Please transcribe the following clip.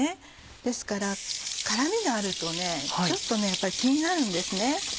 ですから辛みがあるとちょっとやっぱり気になるんですね。